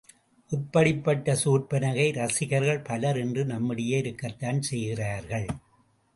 இப்படிப்பட்ட சூர்ப்பனகை ரசிகர்கள் பலர் இன்று நம்மிடையே இருக்கத்தான் செய்கிறார்கள்.